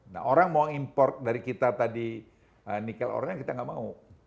nah orang mau import dari kita tadi nikel order kita nggak mau